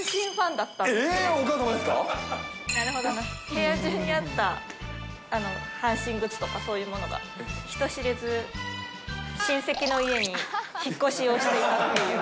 部屋中にあった阪神グッズとか、そういうものが人知れず親戚の家に引っ越しをしていたという。